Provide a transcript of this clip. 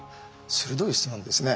鋭い質問ですね。